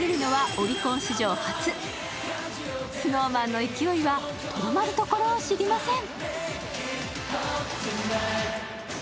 ＳｎｏｗＭａｎの勢いはとどまるところを知りません。